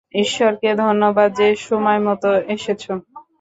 ঈশ্বরকে ধন্যবাদ যে সময়মতো এসেছ!